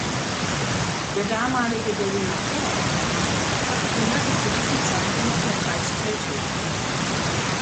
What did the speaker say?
Der damalige Berliner Vorort Schöneberg gehörte zu diesem Zeitpunkt zum Kreis Teltow.